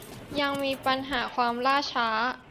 ยังจะมีปัญหาความล่าช้า